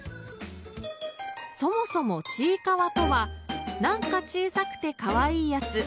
そもそも「ちいかわ」とは「なんか小さくてかわいいやつ」